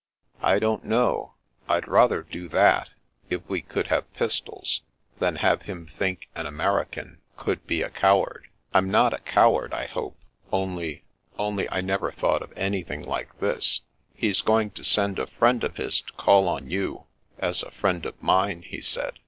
" I don't know. I'd rather do that — if we could have pistols — ^than have him think an American — could be a coward. I'm not a coward, I hope, only — only I never thought of anything like this. He's going to send a friend of his to call on you, as a friend of mine, he said.